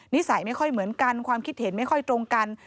นิสัยไม่ค่อยเหมือนกันความคิดเห็นไม่ค่อยตรงกัน